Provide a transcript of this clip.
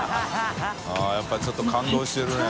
笋辰僂ちょっと感動してるね。